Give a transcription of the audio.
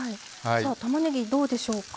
たまねぎどうでしょうか。